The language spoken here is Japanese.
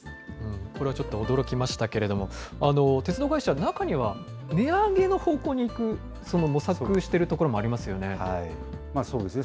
これはちょっと驚きましたけれども、鉄道会社、中には値上げの方向にいく、その模索をしているところもありますよね。